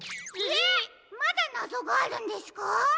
えっまだなぞがあるんですか？